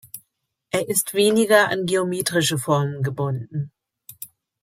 Er ist weniger an geometrische Formen gebunden.